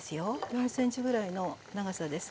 ４ｃｍぐらいの長さです